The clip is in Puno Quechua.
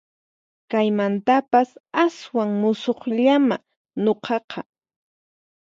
Kaymantapas aswan musuqllamá nuqaqqa